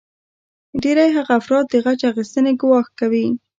ډیری هغه افراد د غچ اخیستنې ګواښ کوي